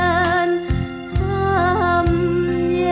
ดูเขาเล็ดดมชมเล่นด้วยใจเปิดเลิศ